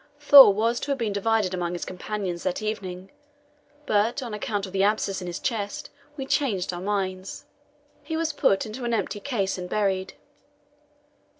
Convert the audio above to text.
Thor was to have been divided among his companions that evening, but, on account of the abscess in his chest, we changed our minds. He was put into an empty case and buried.